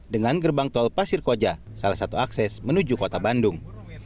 dengan gerbang tol pasir koja salah satu akses menuju kota bandung